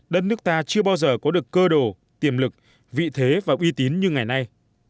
đất nước ta chưa bao giờ có được cơ đồ tiềm lực vị thế và uy tín như ngày nay